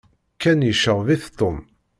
Ken yecɣeb-it Tom.